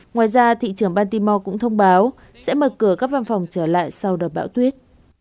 ngoài ra thị trưởng bantimore cũng thông báo sẽ mở cửa các văn phòng trở lại sau đợt bão tuyết